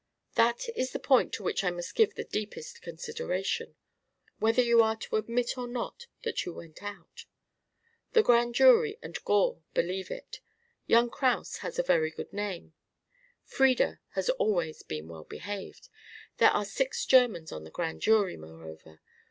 That is the point to which I must give the deepest consideration whether you are to admit or not that you went out. The Grand Jury and Gore believe it. Young Kraus has a very good name. Frieda has always been well behaved. There are six Germans on the Grand Jury, moreover.